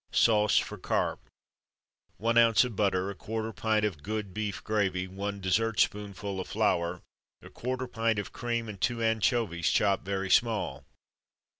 Sauce for Carp. One ounce of butter, a quarter pint of good beef gravy, one dessert spoonful of flour, a quarter pint of cream and two anchovies chopped very small.